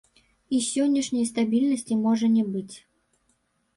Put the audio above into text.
І сённяшняй стабільнасці можа не быць.